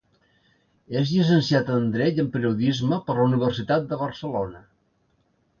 És llicenciat en dret i en periodisme per la Universitat de Barcelona.